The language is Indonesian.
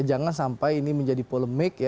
jangan sampai ini menjadi polemik